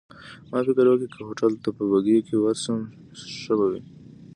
ما فکر وکړ، چي که هوټل ته په بګۍ کي ورشم ښه به وي.